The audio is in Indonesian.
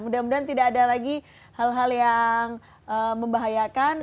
mudah mudahan tidak ada lagi hal hal yang membahayakan